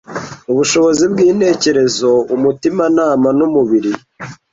Ubushobozi bw’intekerezo, umutimanama, n’umubiri